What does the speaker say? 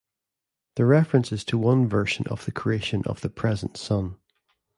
The reference is to one version of the creation of the present Sun.